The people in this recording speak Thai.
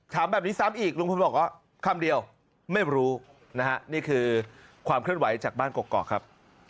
สวัสดีครับ